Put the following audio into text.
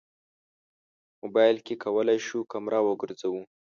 موبایل کې کولی شو کمره وګرځوو.